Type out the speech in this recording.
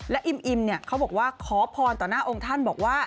และอิ่มเนี่ยเขาบอกว่าขอพรต่อหน้าองค์ท่านบอกว่า